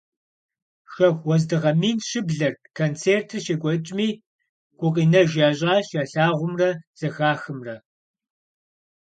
Шэху уэздыгъэ мин щыблэрт концертыр щекӀуэкӀми, гукъинэж ящӀащ ялъагъумрэ зэхахымрэ.